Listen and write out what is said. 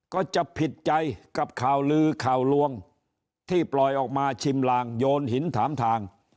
ก็จะผิดใจกับข่าวลือข่าวลวงที่ปล่อยออกมาชิมลางโยนหินถามทาง